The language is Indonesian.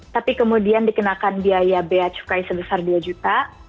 tapi kemudian dikenakan biaya bayacukai sebesar dua juta